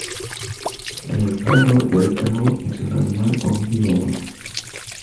El zorro del Cabo es un animal omnívoro.